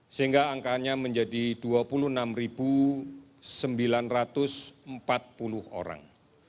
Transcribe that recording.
sehingga angkanya menjadi dua puluh enam sembilan ratus empat puluh orang